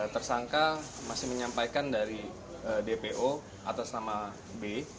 tersangka masih menyampaikan dari dpo atas nama b